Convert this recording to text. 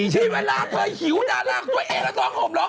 ฉีกเวลาเป๋ยหิวหน้าราคตัวเองน่ะน้องหน่อหลง